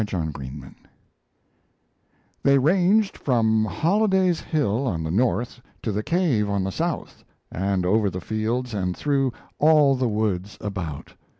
TOM SAWYER'S BAND They ranged from Holliday's Hill on the north to the Cave on the south, and over the fields and through all the woods about.